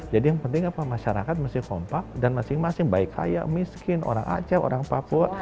jadi yang penting apa masyarakat masih kompak dan masing masing baik kaya miskin orang aceh orang papua